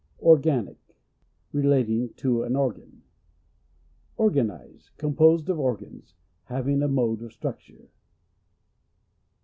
Organic — Relating to an organ. Organised — Composed of organs ; having a mode of structure.